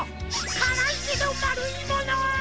からいけどまるいもの！